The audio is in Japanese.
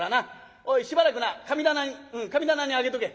おいしばらくな神棚に神棚に上げとけ。